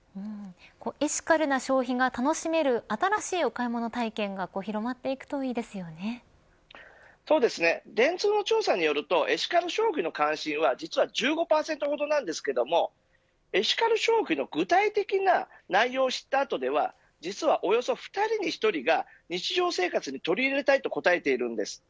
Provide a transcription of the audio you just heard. エシカルな消費が楽しめる新しいお買い物体験が電通の調査によるとエシカル消費の関心は、実は１５％ほどなんですけれどエシカル消費の具体的な内容を知った後では実は、およそ２人に１人が日常生活に取り入れたいと答えているんです。